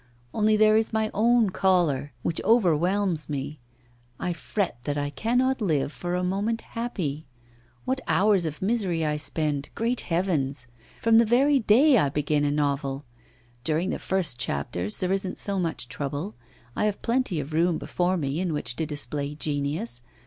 Only there is my own choler, which overwhelms me; I fret that I cannot live for a moment happy. What hours of misery I spend, great heavens! from the very day I begin a novel. During the first chapters there isn't so much trouble. I have plenty of room before me in which to display genius.